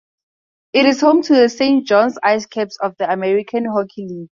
It is home to the Saint John's IceCaps of the American Hockey League.